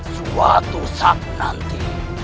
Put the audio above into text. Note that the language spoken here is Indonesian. suatu saat nanti